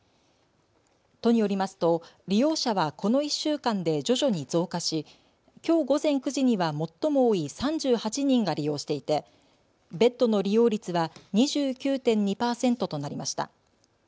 都によりますと利用者はこの１週間で徐々に増加しきょう午前９時には最も多い３８人が利用していてベッドの利用率は２９．２％となりました。